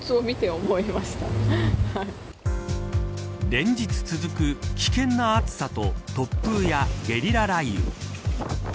連日続く危険の暑さと突風やゲリラ雷雨。